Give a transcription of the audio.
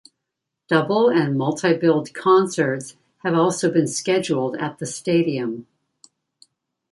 Double and multi-billed concerts have also been scheduled at the stadium.